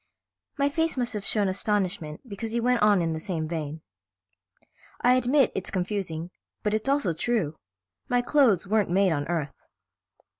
My face must have shown astonishment because he went on in the same vein. "I admit it's confusing, but it's also true. My clothes weren't made on Earth."